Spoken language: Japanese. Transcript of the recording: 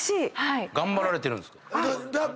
頑張られてるんですか